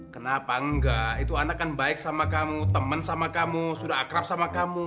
kenapa enggak itu anak kan baik sama kamu teman sama kamu sudah akrab sama kamu